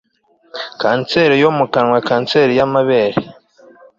kanseri yo mu kanwa kanseri yamabere